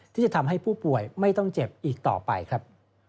ที่จะทำให้ผู้ป่วยไม่ต้องเจ็บอีกต่อไปครับ